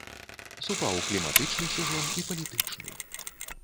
Супаў кліматычны сезон і палітычны.